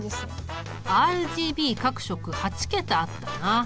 ＲＧＢ各色８桁あったな。